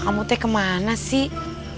kamu kemana sih